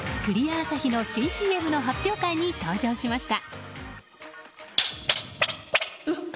アサヒの新ＣＭの発表会に登場しました。